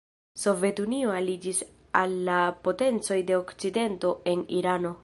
Sovetunio aliĝis al la potencoj de Okcidento en Irano.